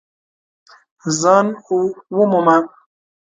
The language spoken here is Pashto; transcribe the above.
ځان ومومه !